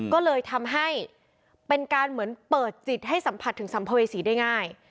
ก็เลยทำให้เป็นการเหมือนเปิดจิตให้สัมผัสถึงสัมภเวษีได้ง่าย